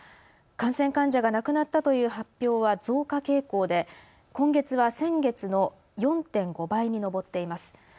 感染患者が亡くなったという発表は増加傾向で今月は先月の４．５倍に上っています。